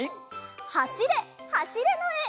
「はしれはしれ」のえ。